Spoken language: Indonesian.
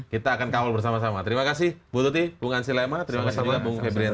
oke kita akan kawal bersama sama terima kasih bu tuti bu ansyi lema terima kasih juga bu hebrie henry